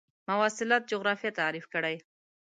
مواصلات جغرافیه تعریف کړئ.